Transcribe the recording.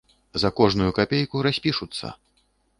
За кожную капейку распішуцца.